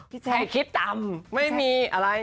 พี่แชคิดต่ำไม่มีอะไร